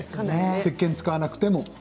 せっけんを使わなくても？